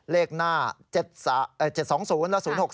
เลขหน้า๗๒๐และ๐๖๓